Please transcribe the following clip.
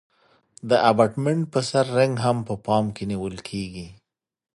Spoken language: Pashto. د ابټمنټ په سر رینګ هم په پام کې نیول کیږي